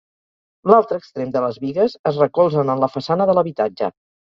L'altre extrem de les bigues es recolzen en la façana de l'habitatge.